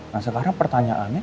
nah sekarang pertanyaannya